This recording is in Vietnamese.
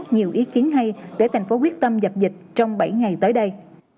nhiều ý kiến hay để thành phố quyết tâm dập dịch trong bảy ngày tới đây